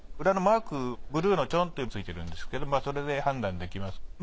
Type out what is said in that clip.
裏のマークブルーのチョンってついてるんですけどそれで判断できます。